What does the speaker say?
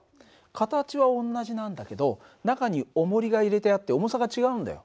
形は同じなんだけど中におもりが入れてあって重さが違うんだよ。